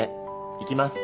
行きます。